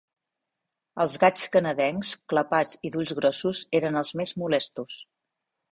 Els gaigs canadencs, clapats i d'ulls grossos, eren els més molestos.